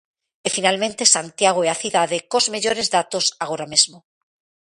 E finalmente Santiago é a cidade cos mellores datos agora mesmo.